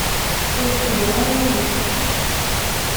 Ur tettedduḍ ara yid-i?